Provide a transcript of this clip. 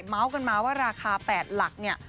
เมาส์กันมาว่าราคา๘หลักเนี่ย